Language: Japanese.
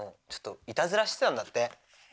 ちょっといたずらしてたんだって。